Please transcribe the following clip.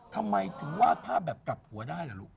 ทำไมถึงวาดภาพแบบกลับหัวได้เหรอลูก